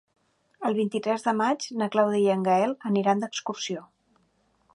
El vint-i-tres de maig na Clàudia i en Gaël aniran d'excursió.